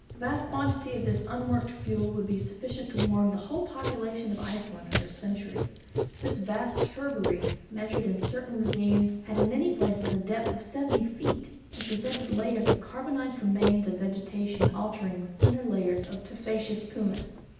The vast quantity of this unworked fuel would be sufficient to warm the whole population of Iceland for a century; this vast turbary measured in certain ravines had in many places a depth of seventy feet, and presented layers of carbonized remains of vegetation alternating with thinner layers of tufaceous pumice.